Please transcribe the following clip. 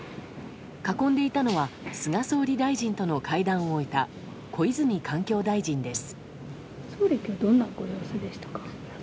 囲んでいたのは菅総理大臣との会談を終えた小泉環境大臣です。